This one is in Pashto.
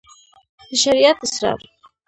د شريعت اسرار